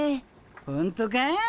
ほんとか？